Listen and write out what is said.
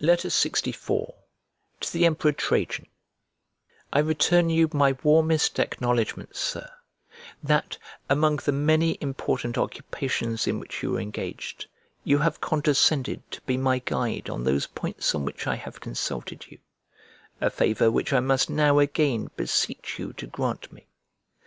LXIV To THE EMPEROR TRAJAN I RETURN you my warmest acknowledgments, Sir, that, among the many important occupations in which you are engaged you have condescended to be my guide on those points on which I have consulted you: a favour which I must now again beseech you to grant me.